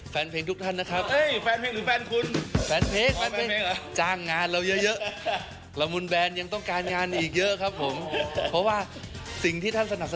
พี่ปิงปองไม่รับแล้วใช่มั้ยครับรวยแล้วครับ